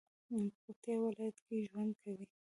په پکتیا ولایت کې ژوند کوي